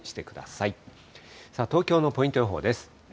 さあ、東京のポイント予報です。